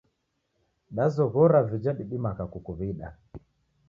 Dazoghora vija didimagha kukuw'ida.